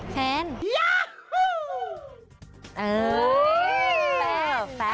ย๊าฮู้